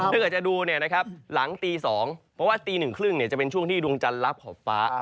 ถ้าเกิดจะดูเนี่ยนะครับหลังตี๒เพราะว่าตี๑๓๐เนี่ยจะเป็นช่วงที่ดวงจันทร์รับของฟ้า